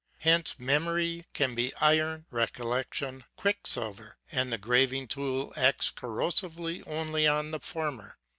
Hence, memory can be iron, recollection only quicksilver, and the graving tool acts corrosively only on the former.